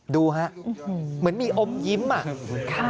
ดูฮะเหมือนมีอมยิ้มอ่ะ